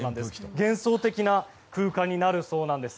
幻想的な空間になるそうなんです。